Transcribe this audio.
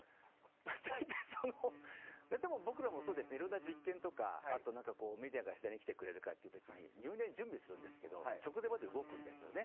大体、僕らもいろんな実験とか、メディアが取材に来てくれるって時に入念に準備するんですけど直前まで動くんですよね。